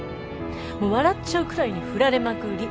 もう笑っちゃうくらいに振られまくり。